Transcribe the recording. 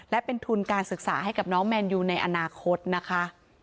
และเป็นทุนการศึกษาให้กับน้องแมนยูในอนาคตนะคะ